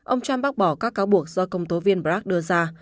ông trump bác bỏ các cáo buộc do công tố viên brag đưa ra